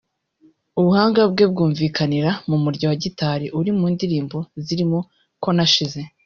ubuhanga bwe bwumvikanira mu murya wa gitari uri mu ndirimbo zirimo ‘Ko Nashize’